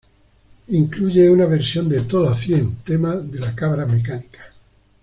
Incluye una versión de "Todo A Cien", tema de La Cabra Mecánica.